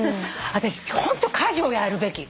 私ホント家事をやるべき。